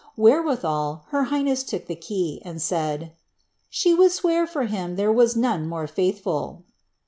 Wherewitlial her highness took the key, and said ^ she would swear for him there was none more faithful."